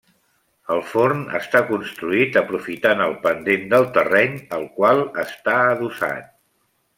El forn està construït aprofitant el pendent del terreny al qual està adossat.